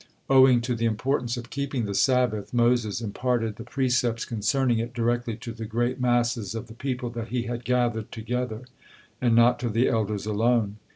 Owing to the importance of keeping the Sabbath, Moses imparted the precepts concerning it directly to the great masses of the people that he had gathered together, and not to the elders alone.